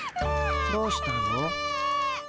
どうしたの？